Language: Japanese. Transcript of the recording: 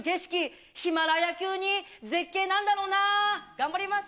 頑張ります。